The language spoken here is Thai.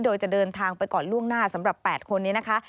โดยจะเดินทางไปก่อนล่วงหน้าสำหรับ๘คนนี้นะคะ